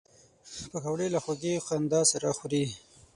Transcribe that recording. پکورې له خوږې خندا سره خوري